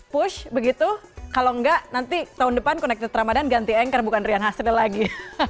push begitu kalau enggak nanti tahun depan connected ramadan ganti anchor bukan rian hasril lagi